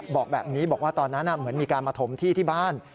บอกแบบนี้บอกว่าตอนนั้นเหมือนมีการมาถมที่ที่บ้าน